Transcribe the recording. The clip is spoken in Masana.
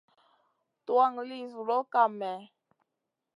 Tuwan li zuloʼ kam mèh ?